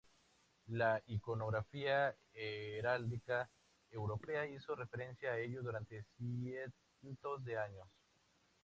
La iconografía heráldica europea hizo referencia a ellos durante cientos de años.